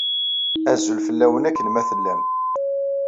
Azul fell-awen akken ma tellam